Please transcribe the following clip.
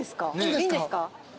いいんですか？